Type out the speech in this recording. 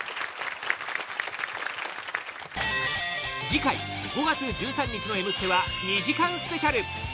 次回５月１３日の「Ｍステ」は２時間スペシャル！